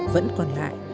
vẫn còn lại